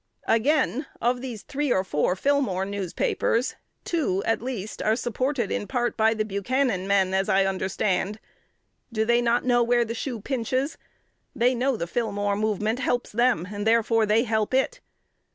Again, of these three or four Fillmore newspapers, two, at least, are supported in part by the Buchanan men, as I understand. Do not they know where the shoe pinches? They know the Fillmore movement helps them, and therefore they help it.